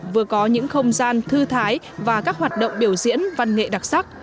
vừa có những không gian thư thái và các hoạt động biểu diễn văn nghệ đặc sắc